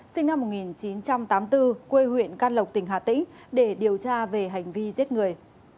sinh năm một nghìn chín trăm tám mươi bốn quê huyện can lộc tỉnh hà tĩnh để điều tra về hành vi giết người